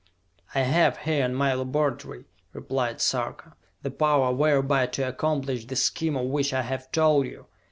"I have, here in my laboratory," replied Sarka, "the power whereby to accomplish the scheme of which I have told you!